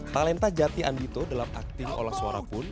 talenta jati andito dalam aktif olah suara pun